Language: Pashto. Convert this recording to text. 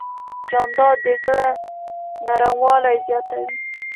جانداد د زړه نرموالی زیاتوي.